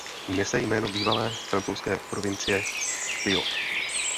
Nese jméno bývalé francouzské provincie Poitou.